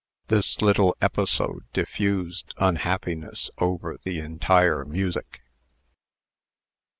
This little episode diffused unhappiness over the entire music.